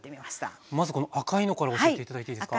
まずこの赤いのから教えて頂いていいですか？